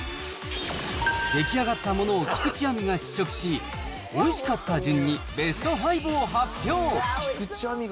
出来上がったものを菊地亜美が試食し、おいしかった順にベスト５を発表。